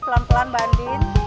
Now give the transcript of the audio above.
pelan pelan bu andin